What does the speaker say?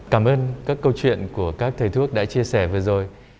cảm ơn các câu chuyện của các thầy thuốc đã chia sẻ vừa rồi